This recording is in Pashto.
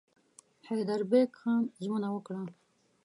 حیدربېګ خان ژمنه وکړه.